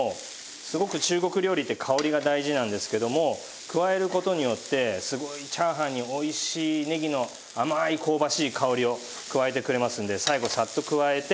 すごく中国料理って香りが大事なんですけども加える事によってすごいチャーハンにおいしいねぎの甘い香ばしい香りを加えてくれますので最後さっと加えて。